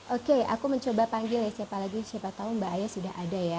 oke aku mencoba panggil ya siapa lagi siapa tahu mbak aya sudah ada ya